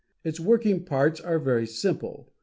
Its working parts are very simple.